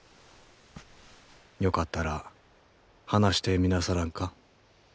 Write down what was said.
よかったら話してみなさらんか。